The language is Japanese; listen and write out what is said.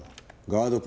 ガード